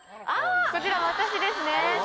こちら私ですね。